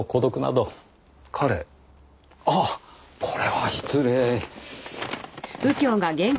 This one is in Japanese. ああこれは失礼。